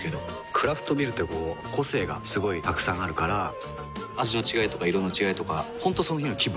クラフトビールってこう個性がすごいたくさんあるから味の違いとか色の違いとか本当その日の気分。